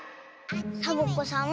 サボ子さん